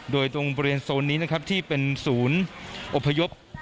โดยตรงบริเวณโซนนี้นะครับที่เป็นศูนย์อบพยพ